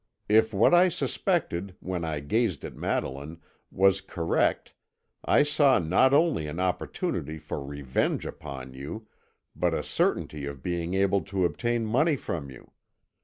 If what I suspected, when I gazed at Madeline, was correct, I saw not only an opportunity for revenge upon you, but a certainty of being able to obtain money from you.